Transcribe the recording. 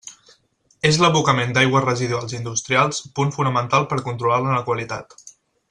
És l'abocament d'aigües residuals industrials punt fonamental per a controlar-ne la qualitat.